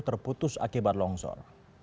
terputus akibat longsor